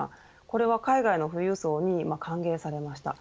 これは海外の富裕層に歓迎されました。